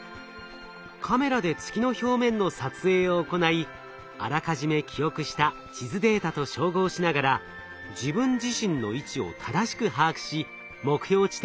カメラで月の表面の撮影を行いあらかじめ記憶した地図データと照合しながら自分自身の位置を正しく把握し目標地点へと移動します。